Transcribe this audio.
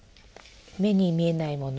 目に見えないものを。